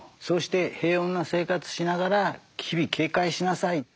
そして平穏な生活しながら日々警戒しなさい。